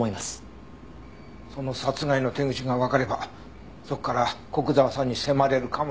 その殺害の手口がわかればそこから古久沢さんに迫れるかもしれないんだけどね。